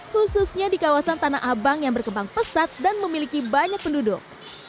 khususnya di kawasan tanah abang yang berkembang pesat dan memiliki banyak penduduk